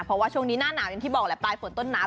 เพราะว่าช่วงนี้หน้าหนาวอย่างที่บอกแหละปลายฝนต้นหนาว